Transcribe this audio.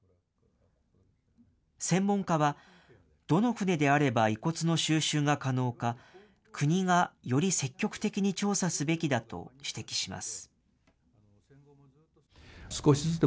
専門家は、どの船であれば遺骨の収集が可能か、国がより積極的に調査すべきだと指摘します。